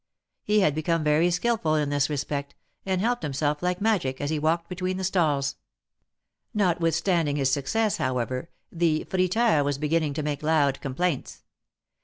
He had become very skilful in this respect, and helped himself like magic, as he walked between the stalls. Notwithstanding his THE MARKETS OF PARIS. 197 success, however, ih^friteur was beginning to make loud complaints.